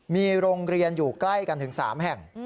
มีโรงเรียนอยู่ใกล้กันถึง๓แห่ง